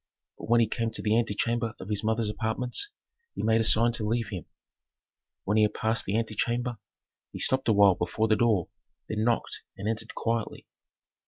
But when he came to the antechamber of his mother's apartments, he made a sign to leave him. When he had passed the antechamber, he stopped a while before the door, then knocked and entered quietly.